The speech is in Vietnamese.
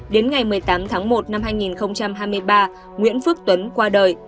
đến ngày một mươi tám tháng một năm hai nghìn hai mươi ba nguyễn phước tuấn qua đời